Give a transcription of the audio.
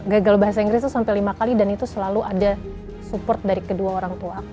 gagal bahasa inggris itu sampai lima kali dan itu selalu ada support dari kedua orang tua aku